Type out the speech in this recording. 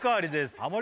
ハモリ